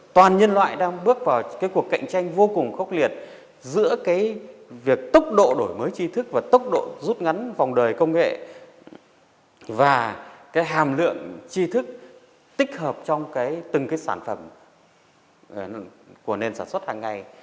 toàn nhân loại đang bước vào cuộc cạnh tranh vô cùng khốc liệt giữa việc tốc độ đổi mới chi thức và tốc độ rút ngắn vòng đời công nghệ và hàm lượng chi thức tích hợp trong từng sản phẩm của nền sản xuất hàng ngày